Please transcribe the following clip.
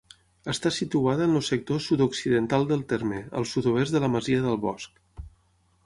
Està situada en el sector sud-occidental del terme, al sud-oest de la masia del Bosc.